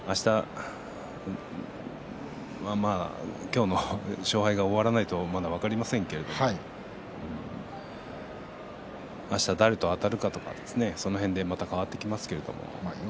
あしたは今日の勝敗が終わらないとまだ分かりませんけれどあした誰とあたるかとかその辺でまた変わってきますけれど。